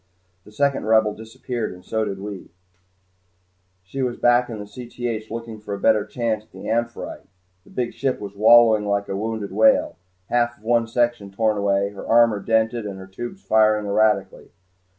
The second Rebel disappeared and we did too. She was back in Cth looking for a better chance at the "Amphitrite." The big ship was wallowing like a wounded whale, half of one section torn away, her armor dented, and her tubes firing erratically.